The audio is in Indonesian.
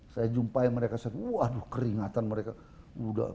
saya jumpai mereka waduh keringatan mereka